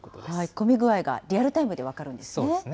混み具合がリアルタイムで分かるんですね。